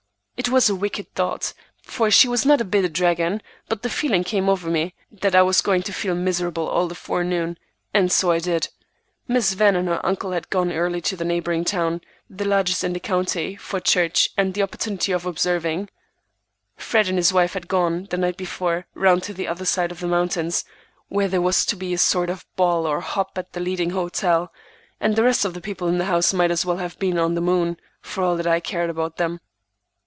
It was a wicked thought, for she was not a bit of a dragon, but the feeling came over me that I was going to feel miserable all the forenoon, and so I did. Miss Van and her uncle had gone early to the neighboring town, the largest in the county, for church and the opportunity of observing; Fred and his wife had gone, the night before, round to the other side of the mountains, where there was to be a sort of ball or hop at the leading hotel; and the rest of the people in the house might as well have been in the moon, for all that I cared about them.